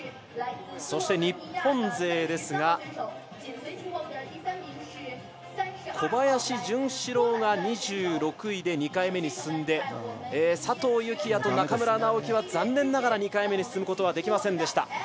そして日本勢は小林潤志郎が２６位で２回目に進んで佐藤幸椰と中村直幹は残念ながら２回目に進むことはできませんでした。